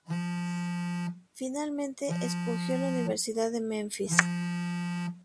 Finalmente escogió la Universidad de Memphis.